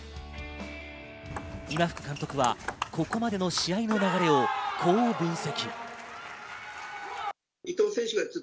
今福監督はここまでの試合の流れをこう分析。